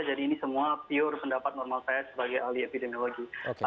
ini semua pure pendapat normal saya sebagai ahli epidemiologi